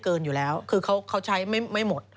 เกินอยู่แล้วคือเขาใช้ไม่หมด